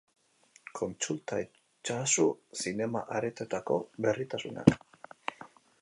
Kontsulta itzazu zinema-aretoetako berritasunak.